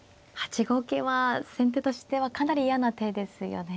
８五桂は先手としてはかなり嫌な手ですよね。